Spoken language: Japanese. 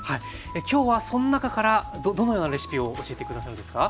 今日はその中からどのようなレシピを教えて下さるんですか？